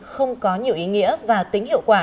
không có nhiều ý nghĩa và tính hiệu quả